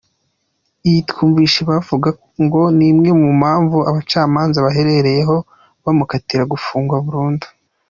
Iyi «twumvise bamuvuga» ngo ni imwe mu mpamvu abacamanza bahereyeho bamukatira gufungwa burundu.